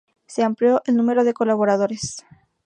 Se amplió el número de colaboradores.